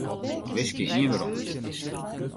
Wiskje ien werom.